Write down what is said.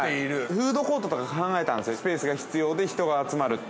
フードコートとか考えたんですよ、スペースが必要で、人が集まるって。